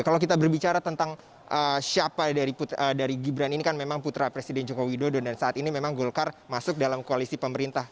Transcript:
kalau kita berbicara tentang siapa dari gibran ini kan memang putra presiden joko widodo dan saat ini memang golkar masuk dalam koalisi pemerintah